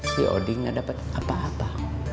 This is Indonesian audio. si odin gak dapat apa apa